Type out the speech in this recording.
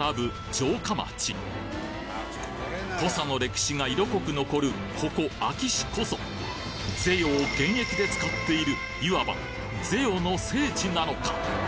城下町土佐の歴史が色濃く残るここ安芸市こそ「ぜよ」を現役で使っているいわばぜよの聖地なのか！？